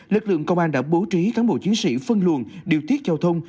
lực lượng công an đã bố trí cán bộ chiến sĩ phân luận điều tiết giao thông